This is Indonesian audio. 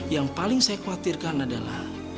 yang paling saya khawatirkan adalah